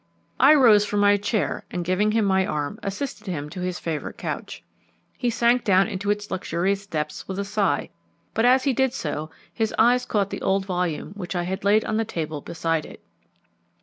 I rose from my chair, and, giving him my arm, assisted him to his favourite couch. He sank down into its luxurious depths with a sigh, but as he did so his eyes caught the old volume which I had laid on the table beside it.